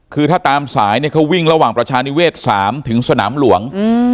คือถ้าตามสายเนี่ยเขาวิ่งระหว่างประชานิเวศ๓ถึงสนามหลวง